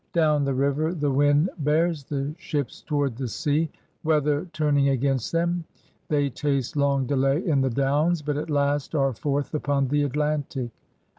Down the river the wind bears the ships toward the sea. Weather turning against them, they taste long delay in the Downs, but at last are forth upon the Atlantic.